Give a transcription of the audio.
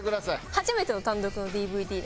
初めての単独のＤＶＤなんですよね？